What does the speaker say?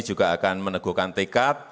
juga akan meneguhkan tiket